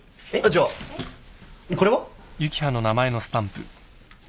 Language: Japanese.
じゃあこれは？